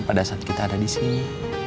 pada saat kita ada di sini